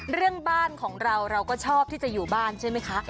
เรื่องบ้านของเราเราก็ชอบที่จะอยู่บ้านใช่ไหมคะ